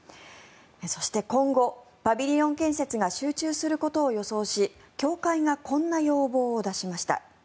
そして今後、パビリオン建設が集中することを予想し協会がこんな要望を出しました。